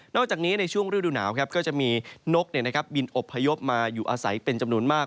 อกจากนี้ในช่วงฤดูหนาวก็จะมีนกบินอบพยพมาอยู่อาศัยเป็นจำนวนมาก